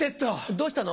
どうしたの？